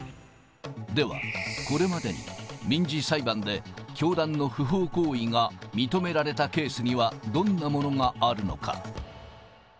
では、これまでに民事裁判で、教団の不法行為が認められたケースには、どんなものがあるのか。